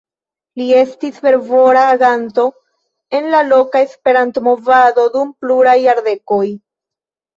Li estis fervora aganto en la loka Esperanto-movado dum pluraj jardekoj.